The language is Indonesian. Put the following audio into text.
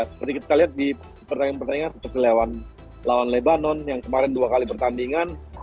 seperti kita lihat di pertandingan pertandingan seperti lawan lebanon yang kemarin dua kali pertandingan